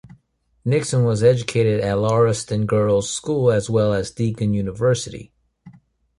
Nixon was educated at Lauriston Girls' School as well as Deakin University.